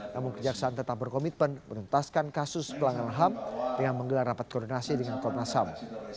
namun kejaksaan tetap berkomitmen menuntaskan kasus pelanggaran ham yang menggelar rapat koordinasi dengan komnas ham